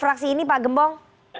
fraksi ini pak gembong